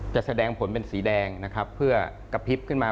จะแสดงผลเป็นสีแดงนะครับเพื่อกระพริบขึ้นมา